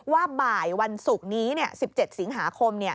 ว่าบ่ายวันศุกร์นี้๑๗สิงหาคม